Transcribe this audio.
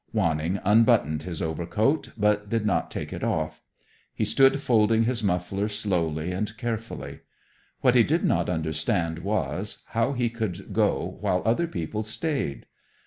Wanning unbuttoned his overcoat, but did not take it off. He stood folding his muffler slowly and carefully. What he did not understand was, how he could go while other people stayed.